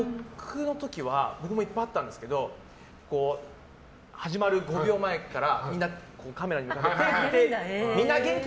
僕もいっぱいあったんですけど始まる５秒前からみんな、カメラに向かって手を振ってみんな元気？